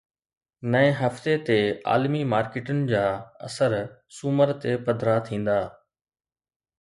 نئين هفتي تي عالمي مارڪيٽن جا اثر سومر تي پڌرا ٿيندا